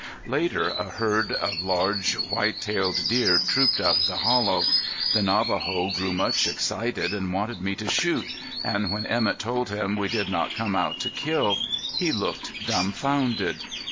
Later a herd of large white tailed deer trooped up the hollow. The Navajo grew much excited and wanted me to shoot, and when Emett told him we had not come out to kill, he looked dumbfounded.